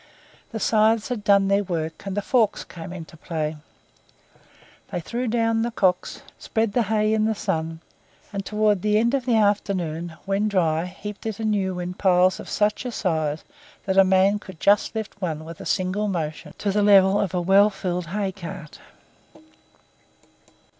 The scythes had done their work and the forks came into play. They threw down the cocks, spread the hay in the sun, and toward the end of the afternoon, when dry, heaped it anew in piles of such a size that a man could just lift one with a single motion to the level of a well filled hay cart.